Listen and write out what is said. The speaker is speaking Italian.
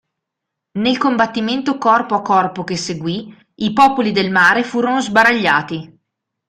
Nel combattimento corpo a corpo che seguì, i Popoli del mare furono sbaragliati.